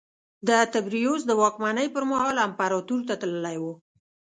د تبریوس د واکمنۍ پرمهال امپراتور ته تللی و